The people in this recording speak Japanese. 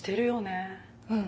うん。